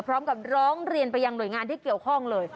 พร้อมกับร้องเรียนไปยังหน่วยงานที่เกี่ยวข้องเลย